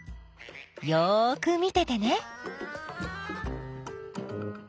よく見ててね。